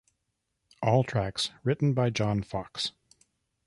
All tracks written by John Foxx.